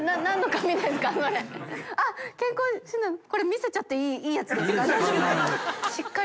海見せちゃっていいやつですか？